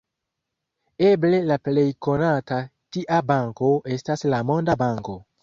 Eble la plej konata tia banko estas la Monda Banko.